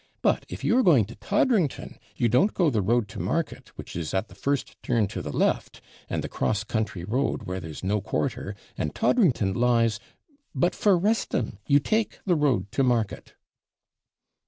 But, if you are going to Toddrington, you don't go the road to market, which is at the first turn to the left, and the cross country road, where there's no quarter, and Toddrington lies but for Wrestham, you take the road to market.'